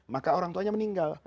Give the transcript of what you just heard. maka orang tuanya meninggal